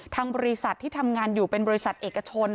ทางบริษัทที่ทำงานอยู่เป็นบริษัทเอกชน